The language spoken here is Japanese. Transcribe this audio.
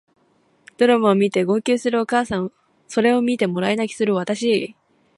ドラマを見て号泣するお母さんそれを見てもらい泣きする私